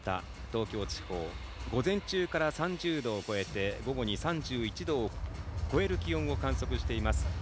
東京地方午前中から３０度を超えて午後に３１度を超える気温を観測しています。